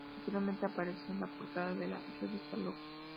Posteriormente aparecería en la portada de la revista" Look".